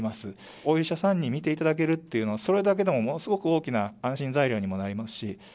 お医者さんに診ていただけるっていうのは、それだけでもものすごく大きな安心材料にもなりますし。